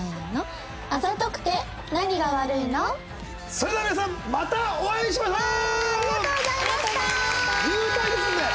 それでは皆さんまたお会いしましょう！